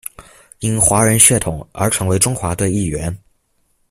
因华人血统而成为中华队一员。